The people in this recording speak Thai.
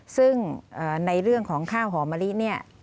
ซึ่งในเรื่องของข้าวหอมมะลิเนี่ย